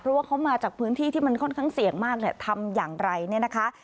เพราะว่าเขามาจากพื้นที่ที่มันค่อนข้างเสี่ยงมากเนี่ยทำอย่างไรเนี่ยนะคะ